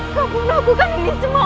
kau menaklukkan ini semua